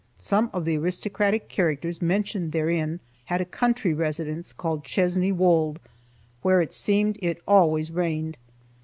Some of the aristocratic characters mentioned therein had a country residence called "Chesney Wold," where it seemed it always rained.